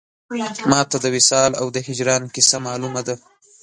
ما ته د وصال او د هجران کیسه مالومه ده